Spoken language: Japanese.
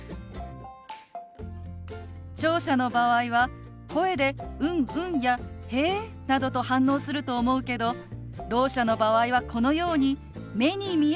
聴者の場合は声で「うんうん」や「へえ」などと反応すると思うけどろう者の場合はこのように目に見える意思表示をすることが大切なのよ。